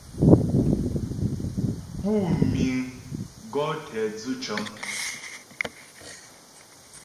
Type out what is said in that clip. Pú miŋ gɔ̌ tɛ dzʉ cəŋ.